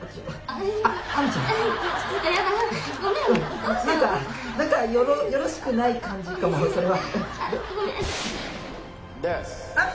なんか、よろしくない感じかもそれは。